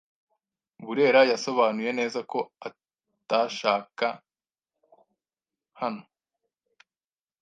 Burera yasobanuye neza ko atanshaka hano